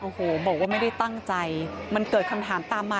โอ้โหบอกว่าไม่ได้ตั้งใจมันเกิดคำถามตามมา